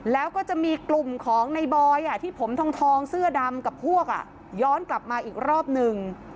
แล้วก็จะมีกลุ่มของในบอยที่ผมทองเสื้อดำกับพวกย้อนกลับมาอีกรอบหนึ่ง